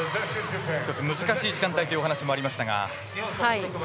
難しい時間帯というお話もありましたが。